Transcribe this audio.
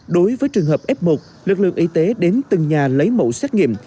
đối với trường hợp f một lực lượng y tế đến từng nhà lấy mẫu xét nghiệm